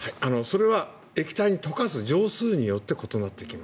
それは液体に溶かす錠数によって異なります。